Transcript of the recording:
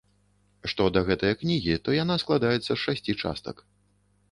Што да гэтае кнігі, то яна складаецца з шасці частак.